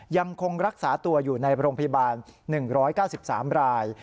ยังคงรักษาตัวอยู่ในโรงพยาบาล๑๙๓ราย